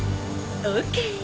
ＯＫ！